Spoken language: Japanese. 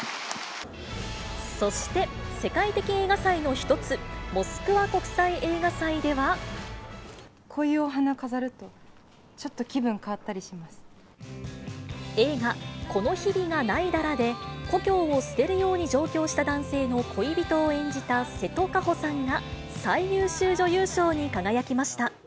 そして、世界的映画祭の一つ、こういうお花飾ると、ちょっ映画、この日々が凪いだらで、故郷を捨てるように上京した男性の恋人を演じた瀬戸かほさんが、最優秀女優賞に輝きました。